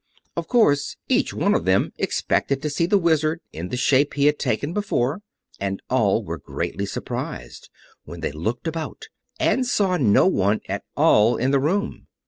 Of course each one of them expected to see the Wizard in the shape he had taken before, and all were greatly surprised when they looked about and saw no one at all in the room.